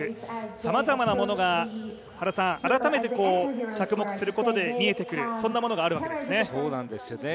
さまざまなものが改めて着目することで見えてくるものがあるわけですね。